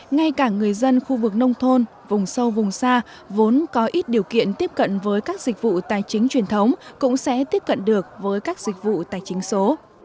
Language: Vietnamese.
ngay cả người dân khu vực nông thôn vùng sâu vùng xa vốn có ít điều kiện tiếp cận với các dịch vụ tài chính truyền thống cũng sẽ tiếp cận được với các dịch vụ tài chính số